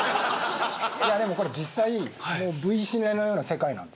でもこれ実際Ｖシネのような世界なんですよ。